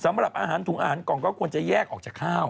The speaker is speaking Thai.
สำหรับอาหารถุงอาหารกล่องก็ควรจะแยกออกจากข้าว